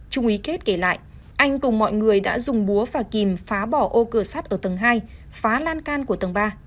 trung ý kết kể lại anh cùng mọi người đã dùng búa và kìm phá bỏ ô cửa sắt ở tầng hai phá lan can của tầng ba